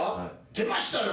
出ましたよ。